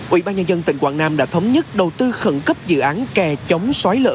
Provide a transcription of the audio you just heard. ubnd tỉnh quảng nam đã thống nhất đầu tư khẩn cấp dự án kè chống xoáy lỡ